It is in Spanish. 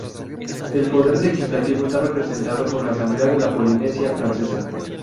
El poder legislativo está representado por la Asamblea de la Polinesia Francesa.